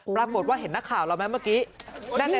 ปรากฏว่าเห็นนักข่าวเราไหมเมื่อกี้